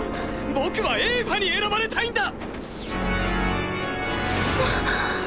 僕はエーファに選ばれたいあっ。